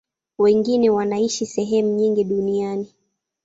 Wengine wanaishi sehemu nyingi duniani.